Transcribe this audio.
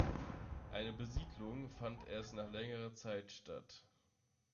Eine Besiedelung fand erst nach längerer Zeit statt.